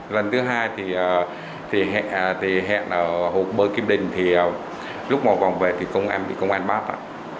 lần thứ hai thì hẹn ở hộp bơi kim đình lúc một vòng về thì công an bị công an bắt